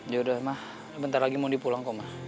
yaudah ma bentar lagi mau pulang kok ma